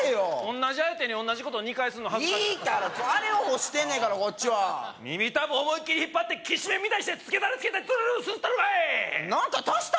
同じ相手に同じこと２回すんの恥ずかしいいいからあれを欲してんねんからこっちは耳たぶ思いっきり引っ張ってきしめんみたいにしてつけだれつけてツルルル吸ったろかい！